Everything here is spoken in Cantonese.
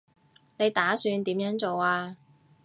你打算點樣做啊